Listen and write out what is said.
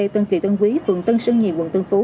tân kỳ tân quý phường tân sơn nhì quận tân phú